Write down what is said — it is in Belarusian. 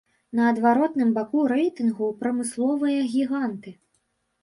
На адваротным баку рэйтынгу прамысловыя гіганты.